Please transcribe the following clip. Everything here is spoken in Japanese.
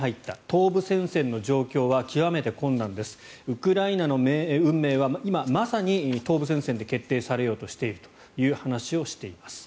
東部戦線の状況は極めて困難ですウクライナの運命は今まさに東部戦線で決定されようとしているという話をしています。